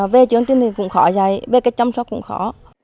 về chương trình thì cũng khó dạy về cách chăm sóc cũng khó